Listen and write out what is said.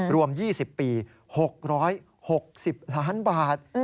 รวม๒๐ปี๖๖๐ล้านบาท